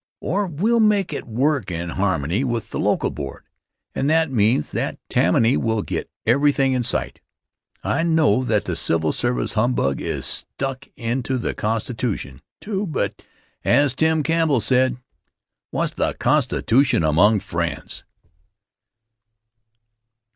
Or we'll make it work in harmony with the local board, and that means that Tammany will get everything in sight. I know that the civil service humbug is stuck into the constitution, too, but, as Tim Campbell said: "What's the constitution among friends?"